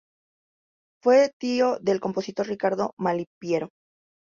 Fue tío del compositor Riccardo Malipiero.